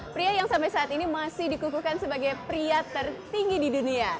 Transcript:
pria yang sampai saat ini masih dikukuhkan sebagai pria tertinggi di dunia